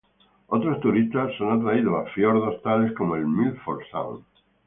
Otros turistas son atraídos a fiordos tales como el Milford Sound.